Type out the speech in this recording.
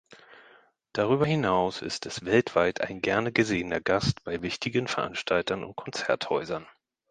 Darüber hinaus ist es weltweit ein gerne gesehener Gast bei wichtigen Veranstaltern und Konzerthäusern.